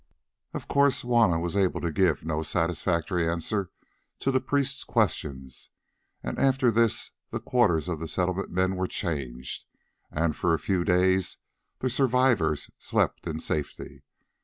Of course Juanna was able to give no satisfactory answer to the priest's questions, and after this the quarters of the Settlement men were changed, and for a few days the survivors slept in safety.